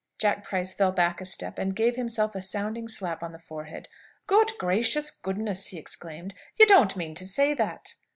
Jack Price fell back a step and gave himself a sounding slap on the forehead. "Good gracious goodness!" he exclaimed. "You don't mean to say that?"